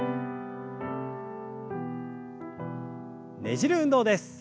ねじる運動です。